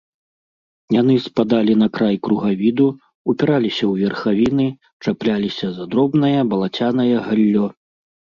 Яны спадалі на край кругавіду, упіраліся ў верхавіны, чапляліся за дробнае балацянае галлё.